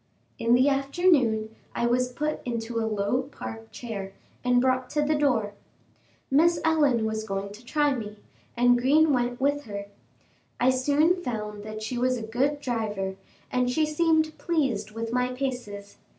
In the afternoon I was put into a low Park chair and brought to the door. Miss Ellen was going to try me, and Green went with her. I soon found that she was a good driver, and she seemed pleased with my paces.